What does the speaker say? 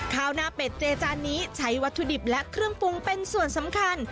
ข้าวหน้าเป็ดเจจานนี้ใช้วัตถุดิบและเครื่องปรุงเป็นส่วนสำคัญ